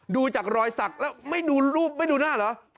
ดูจากรอยสักแล้วไม่ดูรูปไม่ดูหน้าเหรอ